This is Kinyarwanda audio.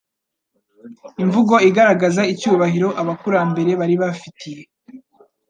Imvugo igaragaza icyubahiro abakurambere bari bafitiye